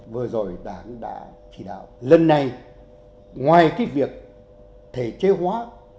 vừa rồi đảng đã chỉ đạo lần này ngoài cái việc thể chế hóa